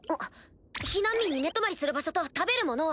避難民に寝泊まりする場所と食べるものを。